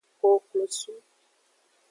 Koklosu.